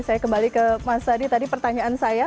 saya kembali ke mas adi tadi pertanyaan saya